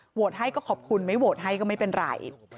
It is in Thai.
โหวตให้ก็ขอบคุณไม่โหวตให้ก็ไม่เป็นไร